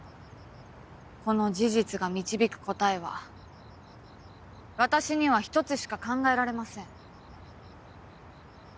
この事実が導く答えは私には一つしか考えられません。